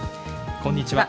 こんにちは。